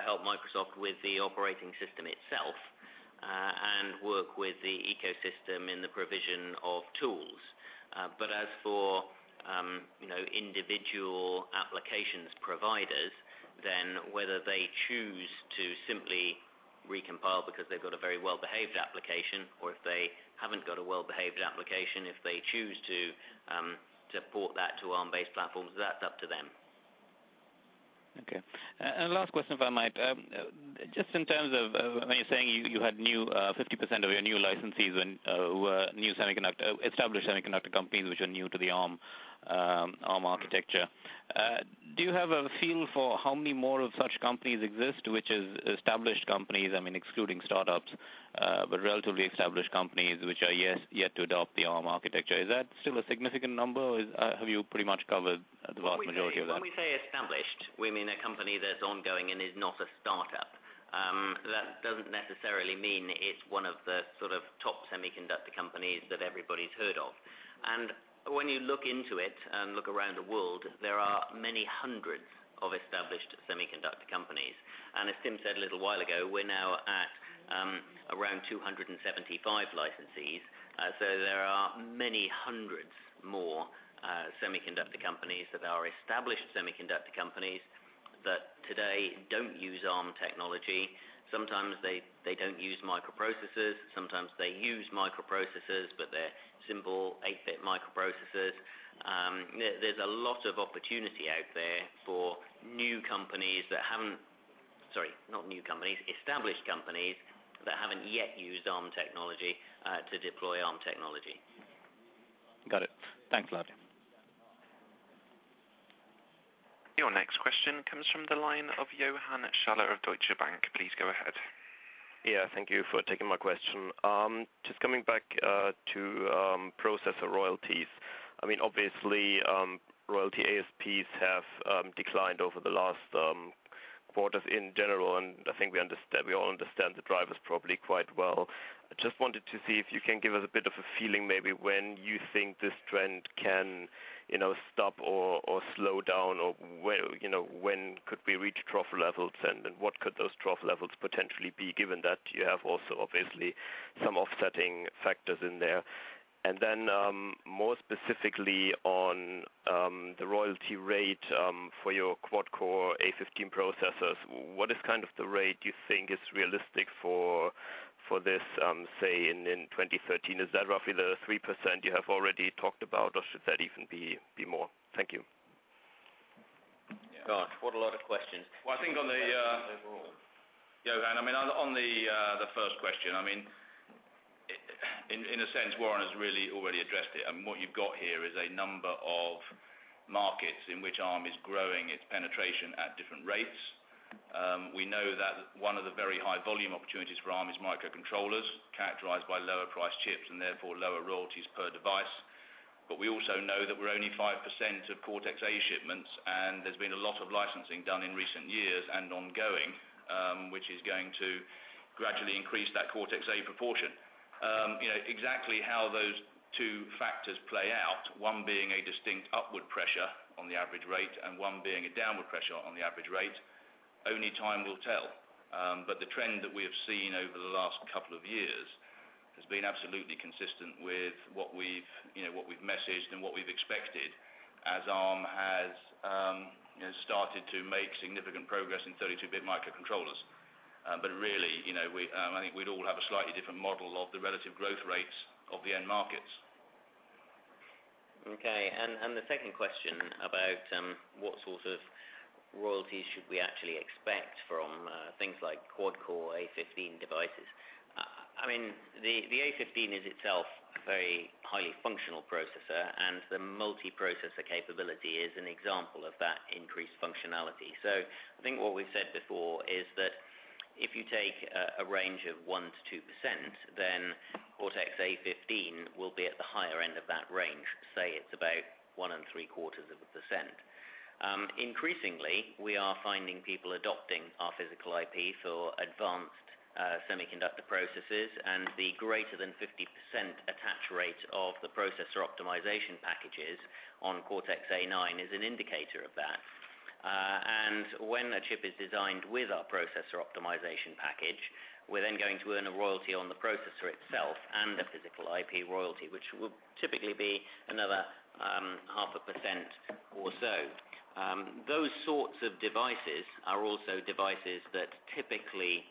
help Microsoft with the operating system itself and work with the ecosystem in the provision of tools. As for individual application providers, whether they choose to simply recompile because they've got a very well-behaved application or if they haven't got a well-behaved application, if they choose to port that to Arm-based platforms, that's up to them. Okay. Last question, if I might. Just in terms of when you're saying you had 50% of your new licensees were new established semiconductor companies which are new to the Arm architecture, do you have a feel for how many more of such companies exist, which are established companies? I mean, excluding startups, but relatively established companies which are yet to adopt the Arm architecture. Is that still a significant number or have you pretty much covered the vast majority of that? When we say established, we mean a company that's ongoing and is not a startup. That doesn't necessarily mean it's one of the sort of top semiconductor companies that everybody's heard of. When you look into it and look around the world, there are many hundreds of established semiconductor companies. As Tim said a little while ago, we're now at around 275 licensees. There are many hundreds more semiconductor companies that are established semiconductor companies that today don't use Arm technology. Sometimes they don't use microprocessors. Sometimes they use microprocessors, but they're simple 8-bit microprocessors. There's a lot of opportunity out there for established companies that haven't yet used Arm technology to deploy Arm technology. Got it. Thanks, Warren. Your next question comes from the line of Johannes Schaller of Deutsche Bank. Please go ahead. Thank you for taking my question. Just coming back to processor royalties. I mean, obviously, royalty ASPs have declined over the last quarters in general. I think we all understand the drivers probably quite well. I just wanted to see if you can give us a bit of a feeling maybe when you think this trend can stop or slow down or when could we reach trough levels and what could those trough levels potentially be, given that you have also obviously some offsetting factors in there. More specifically on the royalty rate for your quad-core A15 processors, what is kind of the rate you think is realistic for this, say, in 2013? Is that roughly the 3% you have already talked about or should that even be more? Thank you. Yeah, what a lot of questions. I think on the first question, in a sense, Warren has really already addressed it. What you've got here is a number of markets in which Arm is growing its penetration at different rates. We know that one of the very high volume opportunities for Arm is microcontrollers, characterized by lower-priced chips and therefore lower royalties per device. We also know that we're only 5% of Cortex A shipments, and there's been a lot of licensing done in recent years and ongoing, which is going to gradually increase that Cortex A proportion. Exactly how those two factors play out, one being a distinct upward pressure on the average rate and one being a downward pressure on the average rate, only time will tell. The trend that we have seen over the last couple of years has been absolutely consistent with what we've messaged and what we've expected as Arm has started to make significant progress in 32-bit microcontrollers. I think we'd all have a slightly different model of the relative growth rates of the end markets. Okay. The second question about what sort of royalties should we actually expect from things like quad-core A15 devices? I mean, the A15 is itself a very highly functional processor, and the multiprocessor capability is an example of that increased functionality. I think what we've said before is that if you take a range of 1%-2%, then Cortex A15 will be at the higher end of that range. Say it's about 1.75%. Increasingly, we are finding people adopting our physical IP for advanced semiconductor processors, and the greater than 50% attach rate of the processor optimization packages on Cortex A9 is an indicator of that. When a chip is designed with our processor optimization package, we're going to earn a royalty on the processor itself and a physical IP royalty, which will typically be another 0.5% or so. Those sorts of devices are also devices that typically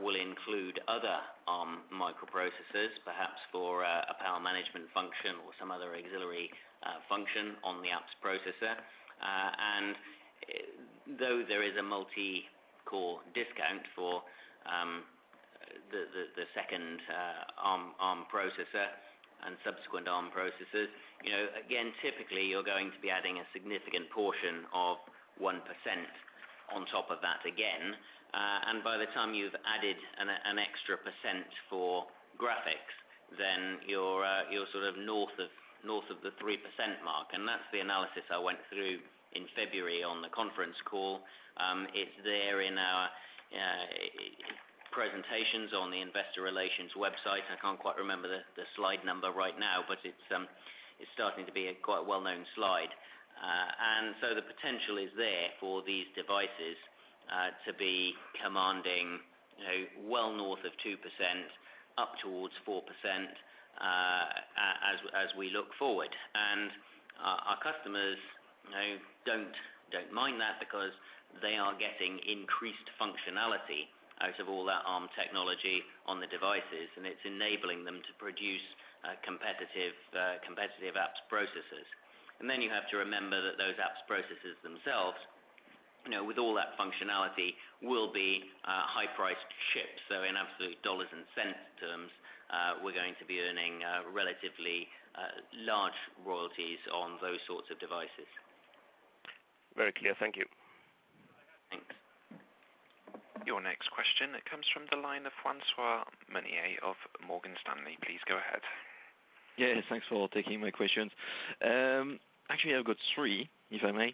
will include other Arm microprocessors, perhaps for a power management function or some other auxiliary function on the apps processor. Though there is a multi-core discount for the second Arm processor and subsequent Arm processors, typically, you're going to be adding a significant portion of 1% on top of that again. By the time you've added an extra percent for graphics, then you're north of the 3% mark. That's the analysis I went through in February on the conference call. It's there in our presentations on the Investor Relations website. I can't quite remember the slide number right now, but it's starting to be a quite well-known slide. The potential is there for these devices to be commanding well north of 2% up towards 4% as we look forward. Our customers don't mind that because they are getting increased functionality out of all that Arm technology on the devices, and it's enabling them to produce competitive apps processors. You have to remember that those apps processors themselves, with all that functionality, will be high-priced chips. In absolute dollars and cents terms, we're going to be earning relatively large royalties on those sorts of devices. Very clear. Thank you. Thanks. Your next question comes from the line of François Monnier of Morgan Stanley. Please go ahead. Yeah, thanks for taking my questions. Actually, I've got three, if I may.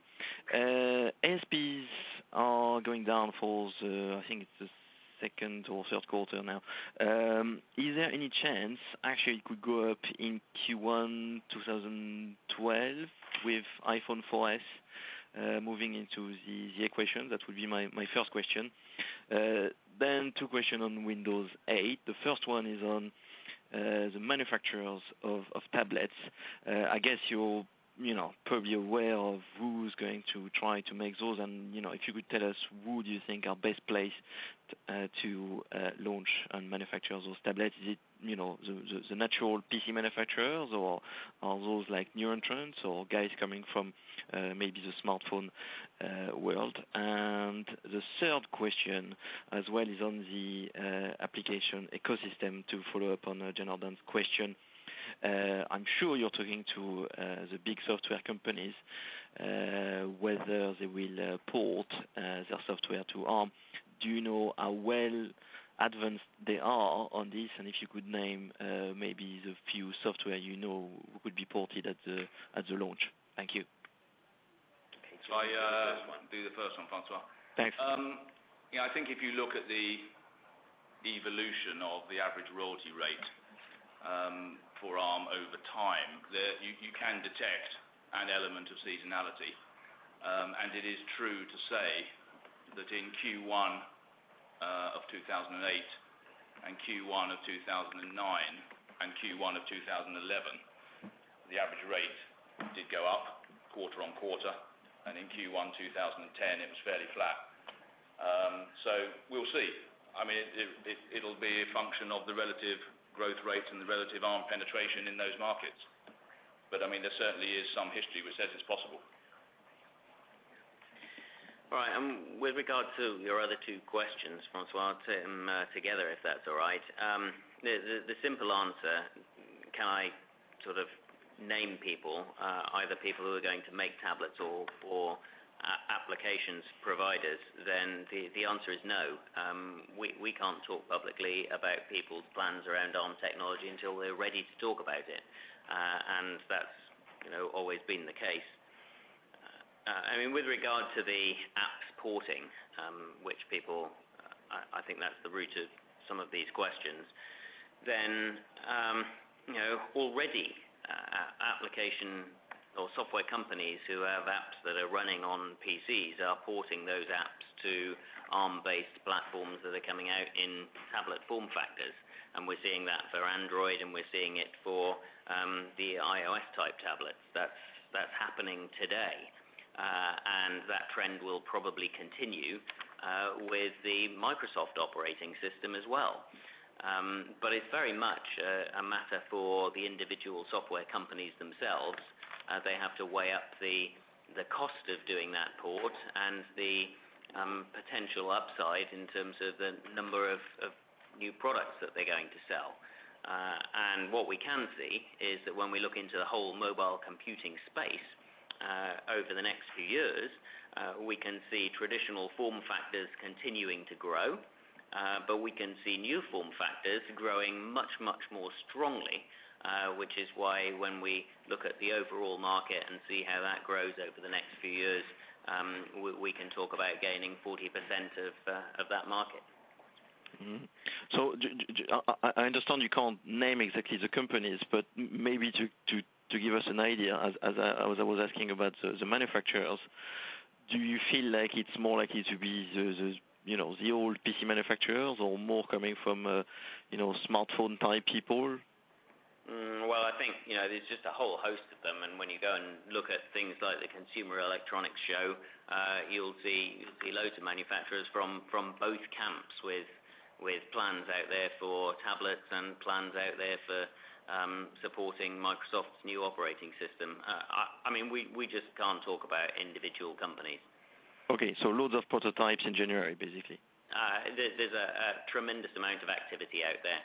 ASPs are going down for, I think it's the second or third quarter now. Is there any chance actually it could go up in Q1 2012 with iPhone 4S moving into the equation? That would be my first question. Two questions on Windows 8. The first one is on the manufacturers of tablets. I guess you're probably aware of who's going to try to make those. If you could tell us, who do you think are the best placed to launch and manufacture those tablets? Is it the natural PC manufacturers or are those like new entrants or guys coming from maybe the smartphone world? The third question as well is on the application ecosystem to follow up on Jonardan's question. I'm sure you're talking to the big software companies, whether they will port their software to Arm. Do you know how well advanced they are on this? If you could name maybe the few software you know could be ported at the launch. Thank you. I do the first one, Francois. Thanks. Yeah, I think if you look at the evolution of the average royalty rate for Arm over time, you can detect an element of seasonality. It is true to say that in Q1 2008, Q1 2009, and Q1 2011, the average rate did go up quarter on quarter. In Q1 2010, it was fairly flat. We'll see. I mean, it'll be a function of the relative growth rates and the relative Arm Holdings penetration in those markets. There certainly is some history which says it's possible. All right. With regard to your other two questions, François, I'll take them together if that's all right. The simple answer, can I sort of name people, either people who are going to make tablets or applications providers, then the answer is no. We can't talk publicly about people's plans around Arm technology until they're ready to talk about it. That's always been the case. With regard to the apps porting, which people, I think that's the root of some of these questions, already application or software companies who have apps that are running on PCs are porting those apps to Arm-based platforms that are coming out in tablet form factors. We're seeing that for Android, and we're seeing it for the iOS-type tablets. That's happening today. That trend will probably continue with the Microsoft operating system as well. It is very much a matter for the individual software companies themselves. They have to weigh up the cost of doing that port and the potential upside in terms of the number of new products that they're going to sell. What we can see is that when we look into the whole mobile computing space over the next few years, we can see traditional form factors continuing to grow, but we can see new form factors growing much, much more strongly, which is why when we look at the overall market and see how that grows over the next few years, we can talk about gaining 40% of that market. I understand you can't name exactly the companies, but maybe to give us an idea, as I was asking about the manufacturers, do you feel like it's more likely to be the old PC manufacturers or more coming from smartphone-type people? I think there's just a whole host of them. When you go and look at things like the Consumer Electronics Show, you'll see loads of manufacturers from both camps with plans out there for tablets and plans out there for supporting Microsoft's new operating system. I mean, we just can't talk about individual companies. Okay, loads of prototypes in January, basically. There's a tremendous amount of activity out there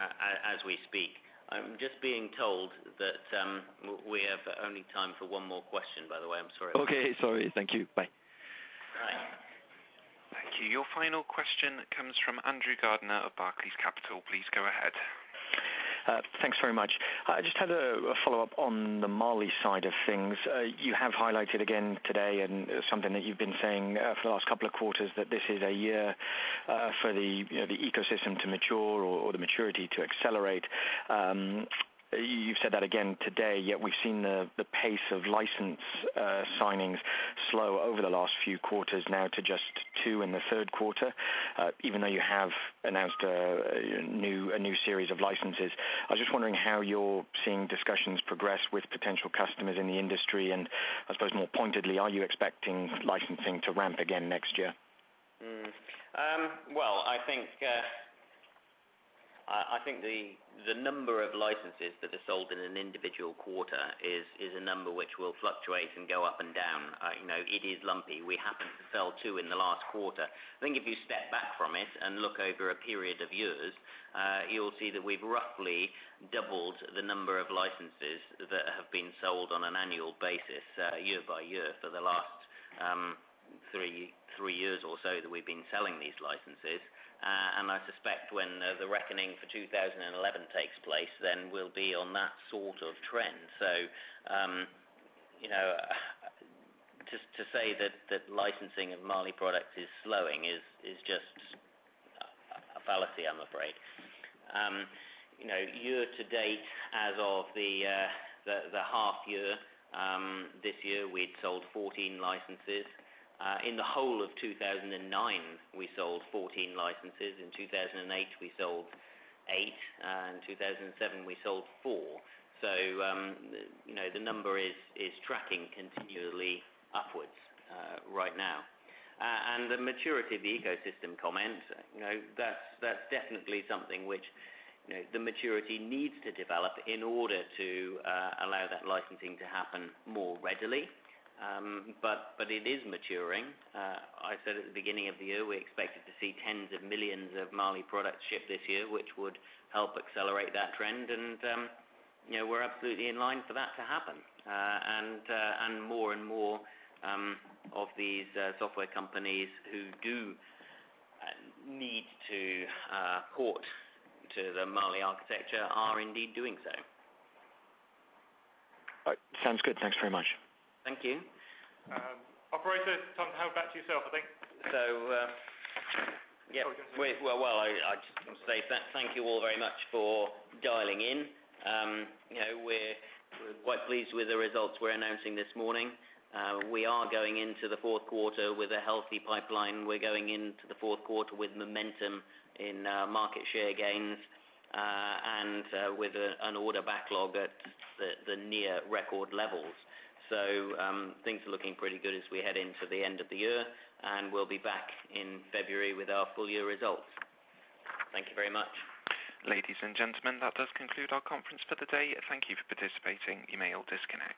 as we speak. I'm just being told that we have only time for one more question, by the way. I'm sorry. Okay. Sorry. Thank you. Bye. All right. Thank you. Your final question comes from Andrew Gardiner of Barclays Capital. Please go ahead. Thanks very much. I just had a follow-up on the Mali side of things. You have highlighted again today, and something that you've been saying for the last couple of quarters, that this is a year for the ecosystem to mature or the maturity to accelerate. You've said that again today, yet we've seen the pace of license signings slow over the last few quarters now to just two in the third quarter, even though you have announced a new series of licenses. I was just wondering how you're seeing discussions progress with potential customers in the industry. I suppose more pointedly, are you expecting licensing to ramp again next year? I think the number of licenses that are sold in an individual quarter is a number which will fluctuate and go up and down. It is lumpy. We happened to sell two in the last quarter. If you step back from it and look over a period of years, you'll see that we've roughly doubled the number of licenses that have been sold on an annual basis year by year for the last three years or so that we've been selling these licenses. I suspect when the reckoning for 2011 takes place, then we'll be on that sort of trend. To say that licensing of Mali products is slowing is just a fallacy, I'm afraid. Year to date as of the half year, this year, we'd sold 14 licenses. In the whole of 2009, we sold 14 licenses. In 2008, we sold 8. In 2007, we sold 4. The number is tracking continuously upwards right now. The maturity of the ecosystem comment, that's definitely something which the maturity needs to develop in order to allow that licensing to happen more readily. It is maturing. I said at the beginning of the year, we expected to see tens of millions of Mali products shipped this year, which would help accelerate that trend. We're absolutely in line for that to happen. More and more of these software companies who do need to port to the Mali architecture are indeed doing so. All right. Sounds good. Thanks very much. Thank you. Operator, time to hand it back to yourself, I think. Thank you all very much for dialing in. We're quite pleased with the results we're announcing this morning. We are going into the fourth quarter with a healthy pipeline, momentum in market share gains, and with an order backlog at near record levels. Things are looking pretty good as we head into the end of the year. We'll be back in February with our full-year results. Thank you very much. Ladies and gentlemen, that does conclude our conference for the day. Thank you for participating. Email disconnect.